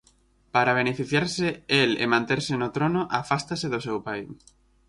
Para beneficiarse el e manterse no trono, afástase do seu pai.